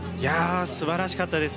素晴らしかったです。